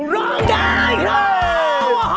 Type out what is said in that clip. รองได้ครับ